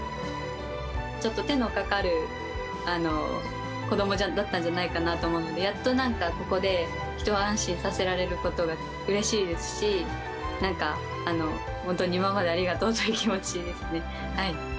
ちょっと手のかかる子どもだったんじゃないかなと思うので、やっとなんか、ここで一安心させられることがうれしいですし、なんか本当に今までありがとうという気持ちですね。